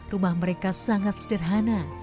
rumah mereka sangat sederhana